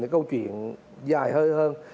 cái câu chuyện dài hơn